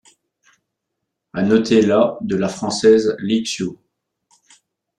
À noter la de la française Li Xue.